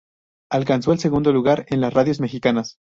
Alcanzó el segundo lugar en las radios mexicanas.